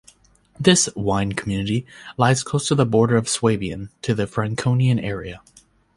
This "wine community" lies close to the border of Swabian to the Franconian area.